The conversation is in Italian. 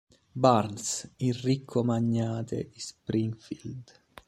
Burns, il ricco magnate di Springfield.